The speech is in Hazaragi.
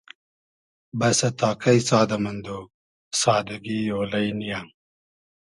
بئسۂ تا کݷ سادۂ مئندۉ ، سادگی اۉلݷ نییۂ